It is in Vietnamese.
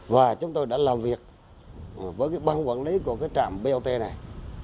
và chúng tôi đã làm việc với cái băng quản lý của cái trạm bot này